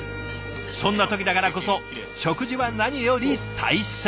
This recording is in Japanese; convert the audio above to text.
そんな時だからこそ食事は何より大切。